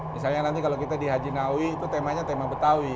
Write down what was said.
misalnya nanti kalau kita di hajinawi itu temanya tema betawi